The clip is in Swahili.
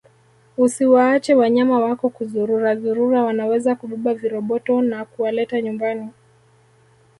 Usiwaache wanyama wako kuzururazurura wanaweza kubeba viroboto na kuwaleta nyumbani